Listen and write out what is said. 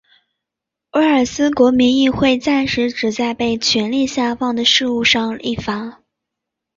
威尔斯国民议会暂时只在被权力下放的事务上立法。